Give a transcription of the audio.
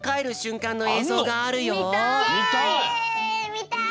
みたい！